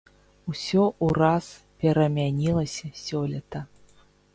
Усё ўраз перамянілася сёлета.